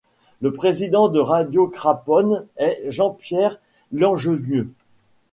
Le Président de Radio Craponne est Jean-Pierre Langenieux.